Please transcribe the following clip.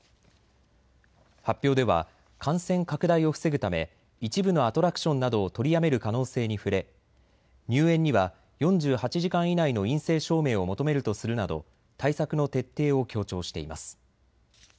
発表では感染拡大を防ぐため一部のアトラクションなどを取りやめる可能性に触れ入園には４８時間以内の陰性証明を求めるとするなど対策の徹底を強調しています。